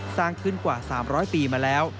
สร้างขึ้นกว่า๓๐๐ปีมาแล้ว